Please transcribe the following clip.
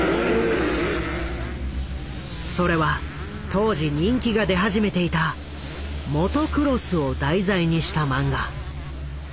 それは当時人気が出始めていたモトクロスを題材にした漫画。